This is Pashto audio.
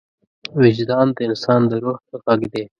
وجدان د انسان د روح غږ دی.